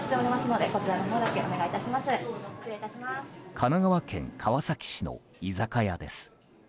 神奈川県川崎市の居酒屋です。